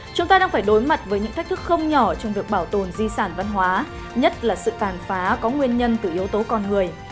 chúng ta đang phải đối mặt với những thách thức không nhỏ trong việc bảo tồn di sản văn hóa nhất là sự tàn phá có nguyên nhân từ yếu tố con người